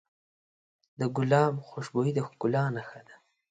د ګلاب خوشبويي د ښکلا نښه ده.